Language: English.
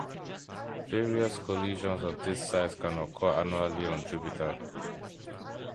Various collisions of this size can occur annually on Jupiter.